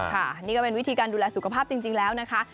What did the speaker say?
ค่ะนี่ก็เป็นวิธีการดูแลสุขภาพจริงแล้วนะคะ